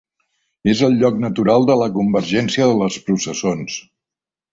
És el lloc natural de la convergència de les processons.